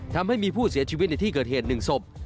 ทำให้มีผู้เสียชีวิตในที่เกิดเหตุ๑ศพ